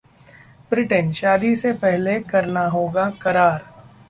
Britain: शादी से पहले करना होगा करार!